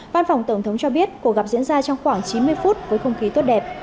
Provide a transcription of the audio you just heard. văn phòng tổng thống cho biết cuộc gặp diễn ra trong khoảng chín mươi phút với không khí tốt đẹp